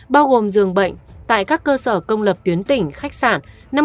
bao gồm dường bệnh tại các cơ sở công lập tuyến tỉnh khách sạn